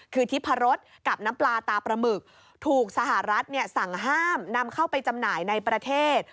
คือทิพรสกับน้ำปลาตาปลาหมึกถูกสหรัฐสั่งห้ามนำเข้าไปจำหน่ายในประเทศ